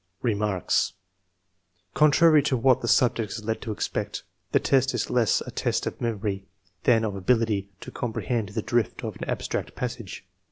Remarks. Contrary to what the subject is led to expect, the test is less a test of memory than of ability to compre hend the drift of an abstract passage.